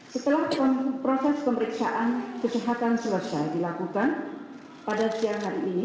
setelah proses pemeriksaan kesehatan selesai dilakukan pada siang hari ini